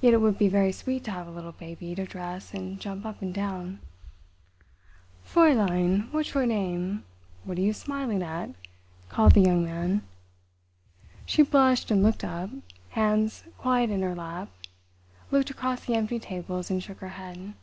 Yet it would be very sweet to have a little baby to dress and jump up and down. "Fräulein—what's your name—what are you smiling at?" called the Young Man. She blushed and looked up, hands quiet in her lap, looked across the empty tables and shook her head.